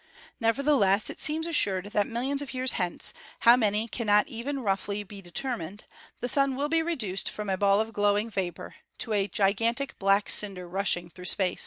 Nevertheless, it seems assured that millions of years hence, how many cannot even roughly be determined, the Sun will be reduced from a ball of glowing vapor to a gigantic black cinder rushing through space.